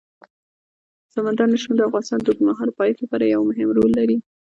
سمندر نه شتون د افغانستان د اوږدمهاله پایښت لپاره یو مهم رول لري.